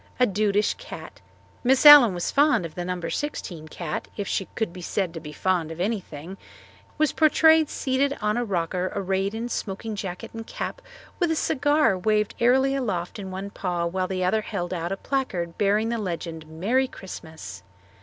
A dudish cat Miss Allen was fond of the No. 16 cat if she could be said to be fond of anything was portrayed seated on a rocker arrayed in smoking jacket and cap with a cigar waved airily aloft in one paw while the other held out a placard bearing the legend "Merry Christmas."